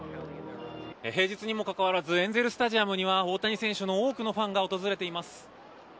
平日にもかかわらずエンゼル・スタジアムには大谷選手の多くのファンが訪れています。